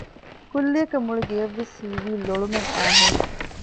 ކުއްލިއަކަށް މުޅި ގެޔަށްވެސް ހީވީ ލޮޅުމެއް އައީހެން